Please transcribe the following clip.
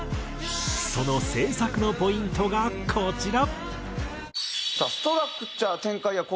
その制作のポイントがこちら。